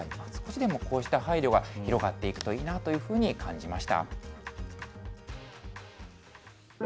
少しでもこうした配慮が広がっていくといいなというふうに感じました。